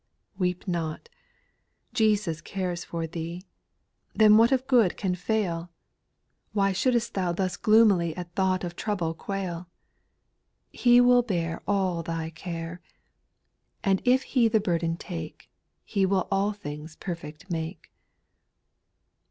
) 6. Weep not, — Jesus cares for thee, Then what of good can fail ? SPIRITUAL SONGS, 399 Why shouldest tLou thus gloomily At thought of trouble quail. He will bear All thy care ; And if He the burden take, He will all things perfect make.